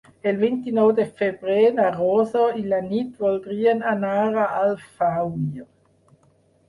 El vint-i-nou de febrer na Rosó i na Nit voldrien anar a Alfauir.